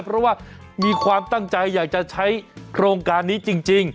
เพราะว่ามีความตั้งใจอยากจะใช้โครงการนี้จริง